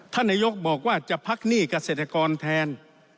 นายกบอกว่าจะพักหนี้เกษตรกรแทน